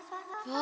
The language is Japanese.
あ！